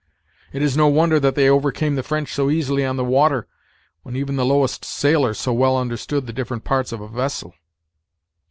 It is no wonder that they overcame the French so easily on the water, when even the lowest sailor so well understood the different parts of a vessel."